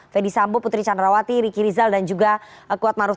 fedi sambo putri candrawati riki rizal dan juga kuat maruf